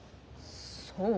そう？